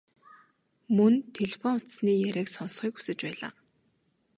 Мөн телефон утасны яриаг сонсохыг хүсэж байлаа.